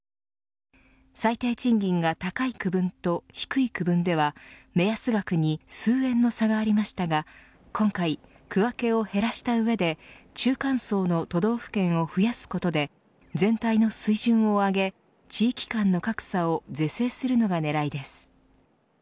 最低賃金が高い区分と低い区分では目安額に数円の差がありましたが今回、区分けを減らした上で中間層の都道府県を増やすことで全体の水準を上げ地域間の格差を是正するのが狙いです。